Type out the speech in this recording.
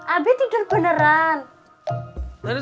abi tidur beneran